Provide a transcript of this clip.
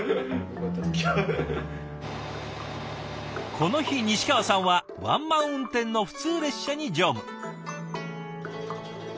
この日西川さんはワンマン運転の普通列車に乗務。